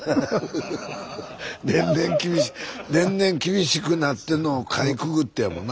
年々厳しくなってんのをかいくぐってやもんな。